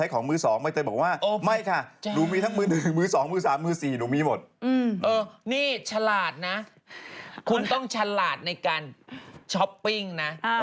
คุณต้องฉลาดในการช้อปปิ้งนะ